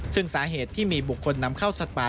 ซึ่งสาเหตุที่มีบุคคลนำเข้าสัตว์ป่า